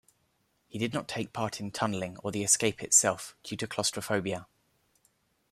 He did not take part in tunnelling or the escape itself, due to claustrophobia.